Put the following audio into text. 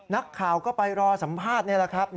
นักข่าวก็ไปรอสัมภาษณ์นี่แหละครับ